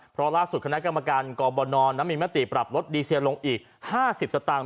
เพราะล่าสุดคณะกรรมการกบนมีมติปรับลดดีเซียลงอีก๕๐สตางค์